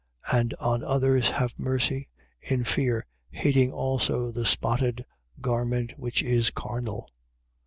And on others have mercy, in fear, hating also the spotted garment which is carnal.